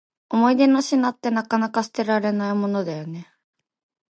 思い出の品って、なかなか捨てられないものだよね。